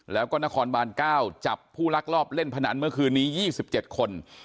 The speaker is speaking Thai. แล้วก็นครบาลเก้าจับผู้ลักรอบเล่นพนันเมื่อคืนนี้ยี่สิบเจ็ดคน